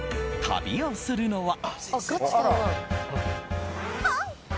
旅をするのは。